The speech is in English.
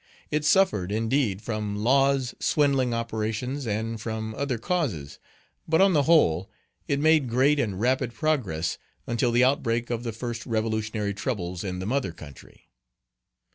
It suffered, indeed, from Law's swindling operations, and from other causes; but on the whole, it made great and rapid progress until the outbreak of the first revolutionary troubles in the mother country.